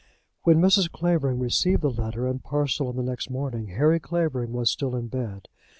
When Mrs. Clavering received the letter and parcel on the next morning, Harry Clavering was still in bed.